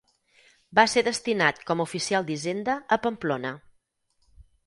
Va ser destinat com a oficial d'Hisenda a Pamplona.